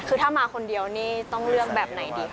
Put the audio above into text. คือถ้ามาคนเดียวนี่ต้องเลือกแบบไหนดีคะ